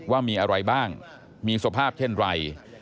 ว่ามีอะไรบ้างมีสภาพเช่นไร